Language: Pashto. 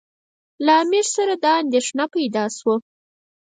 له امیر سره دا اندېښنه پیدا شوه.